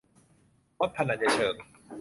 วัดพนัญเชิง